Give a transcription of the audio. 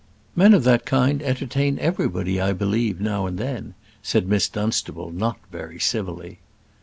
"Men of that kind entertain everybody, I believe, now and then," said Miss Dunstable, not very civilly.